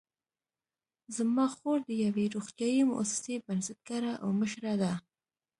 زما خور د یوې روغتیايي مؤسسې بنسټګره او مشره ده